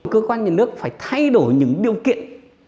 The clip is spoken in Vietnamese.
cơ quan nhà nước phải thay đổi những điều kiện